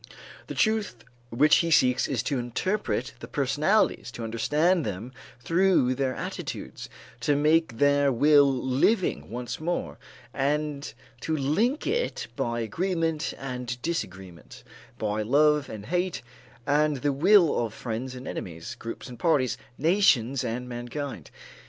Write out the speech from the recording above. The truth which he seeks is to interpret the personalities, to understand them through their attitudes, to make their will living once more, and to link it by agreement and disagreement, by love and hate, with the will of friends and enemies, groups and parties, nations and mankind.